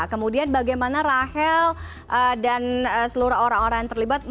kemudian bagaimana rahel dan seluruh orang orang yang terlibat